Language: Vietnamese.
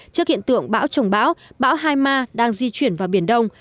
trước hiện tượng bão trồng bão bão hai ma đang di chuyển vào biển đông